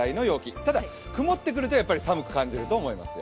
ただ、曇ってくると寒く感じると思いますよ。